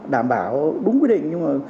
đảm bảo đúng quy định nhưng mà